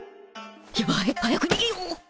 やばい早く逃げうっ